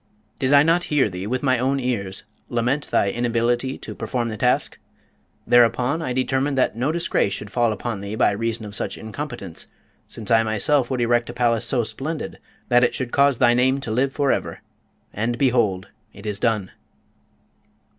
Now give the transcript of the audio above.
"Did I not hear thee with my own ears lament thy inability to perform the task? Thereupon, I determined that no disgrace should fall upon thee by reason of such incompetence, since I myself would erect a palace so splendid that it should cause thy name to live for ever. And, behold, it is done."